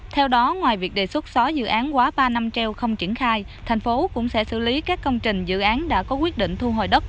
theo đó ngoài việc đề xuất xóa dự án quá ba năm treo không triển khai thành phố cũng sẽ xử lý các công trình dự án đã có quyết định thu hồi đất